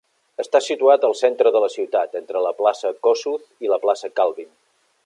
Està situat al centre de la ciutat, entre la plaça Kossuth i la plaça Kalvin.